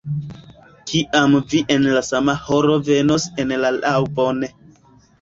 Kiam vi en la sama horo venos en la laŭbon.